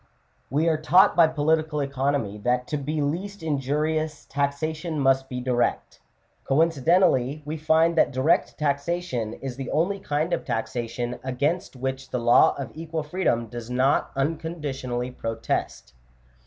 We are taught by political economy that to be least injurious taxa tion must be direct : coincidently we find that direct taxation is the only kind of taxation against whioh the law of equal freedom does not unconditionally protest (p.